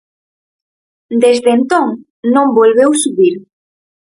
Desde entón, non volveu subir.